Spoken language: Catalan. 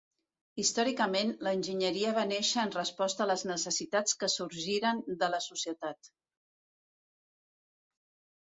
Històricament, l'enginyeria va néixer en resposta a les necessitats que sorgiren de la societat.